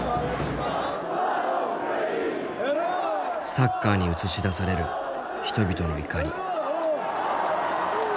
サッカーに映し出される人々の怒り。